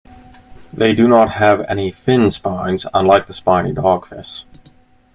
They do not have any fin spines, unlike the Spiny dogfish.